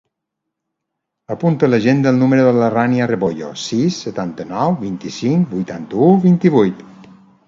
Apunta a l'agenda el número de la Rània Rebollo: sis, setanta-nou, vint-i-cinc, vuitanta-u, vint-i-vuit.